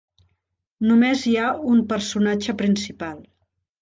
Només hi ha un personatge principal.